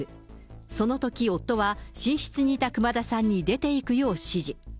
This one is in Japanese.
そのとき、夫は寝室にいた熊田さんに出ていくよう指示。